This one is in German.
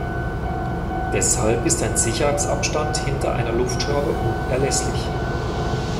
Deshalb ist ein Sicherheitsabstand hinter einer Luftschraube unerlässlich.